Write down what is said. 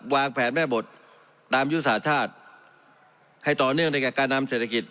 วางแผนแม่บทตามยุทธศาสตร์ชาติให้ต่อเนื่องได้แก่การนำเศรษฐกิจ